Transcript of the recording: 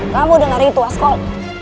kamu dengar itu askol